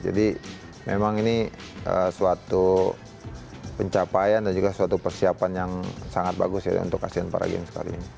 jadi memang ini suatu pencapaian dan juga suatu persiapan yang sangat bagus ya untuk asean paragames kali ini